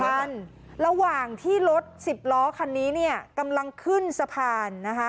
วันระหว่างที่รถสิบล้อคันนี้เนี่ยกำลังขึ้นสะพานนะคะ